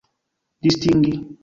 distingi